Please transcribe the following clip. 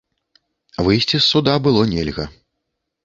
Выйсці з суда было нельга.